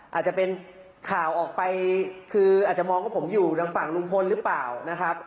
อาจจะเป็นข่าวออกไปคืออาจจะมองว่าผมอยู่ทางฝั่งลุงพลหรือเปล่านะครับ